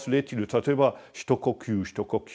例えば一呼吸一呼吸。